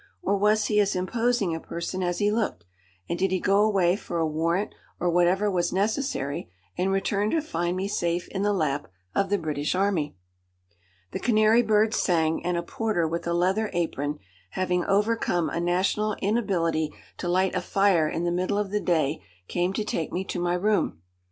Or was he as imposing a person as he looked, and did he go away for a warrant or whatever was necessary, and return to find me safe in the lap of the British Army? The canary birds sang, and a porter with a leather apron, having overcome a national inability to light a fire in the middle of the day, came to take me to my room.